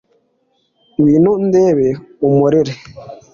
ngwino undebe umporere